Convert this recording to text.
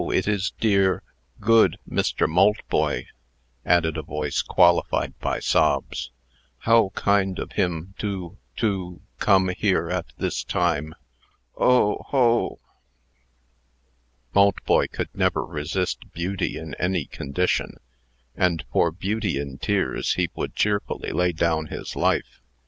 it is dear good Mr. Maltboy!" added a voice, qualified by sobs. "How kind of him to to come here at this time! Oh ho!" Maltboy never could resist Beauty in any condition; and, for Beauty in tears, he would cheerfully lay down his life.